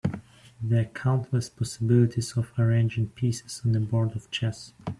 There are countless possibilities of arranging pieces on a board of chess.